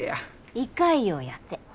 胃潰瘍やて。